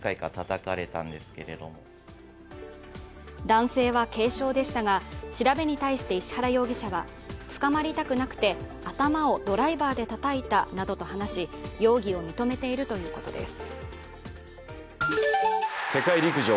男性は軽傷でしたが調べに対して石原容疑者は捕まりたくなくて、頭をドライバーでたたいたなどと話し、容疑を認めているということです。